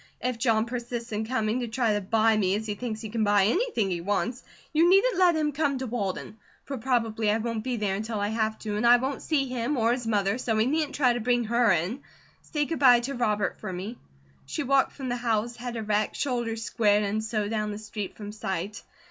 If John persists in coming, to try to buy me, as he thinks he can buy anything he wants, you needn't let him come to Walden; for probably I won't be there until I have to, and I won't see him, or his mother, so he needn't try to bring her in. Say good bye to Robert for me." She walked from the house, head erect, shoulders squared, and so down the street from sight.